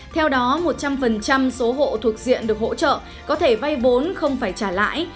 theo đó một trăm linh số hộ thuộc diện được hỗ trợ có thể vay vốn không phải trả lãi